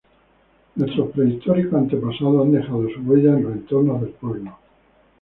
Nuestros prehistóricos antepasados han dejado su huella en los entornos del pueblo.